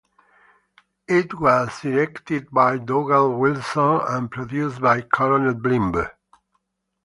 It was directed by Dougal Wilson and produced by Colonel Blimp.